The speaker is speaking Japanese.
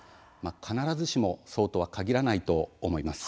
必ずしもそうとは限らないと思います。